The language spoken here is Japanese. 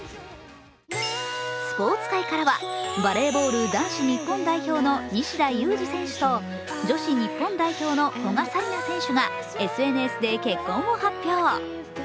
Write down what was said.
スポーツ界からは、バレーボール男子日本代表の西田有志選手と女子日本代表の古賀紗理那選手がＳＮＳで結婚を発表。